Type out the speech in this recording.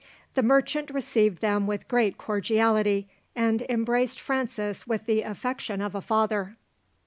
The merchant received them with great cordiality, and embraced Francis with the affection of a father.